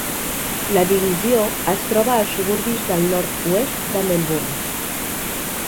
La divisió es troba als suburbis del nord-oest de Melbourne.